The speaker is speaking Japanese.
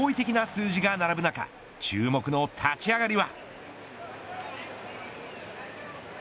驚異的な数字が並ぶ中注目の立ち上がりは。